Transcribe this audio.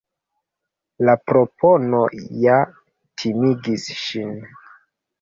La propono ja timigis ŝin.